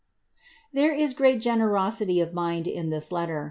There is great generosity of mind in this letter.